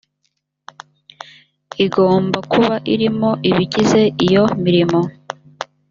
igomba kuba irimo ibigize iyo mirimo